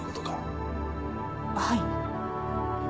はい。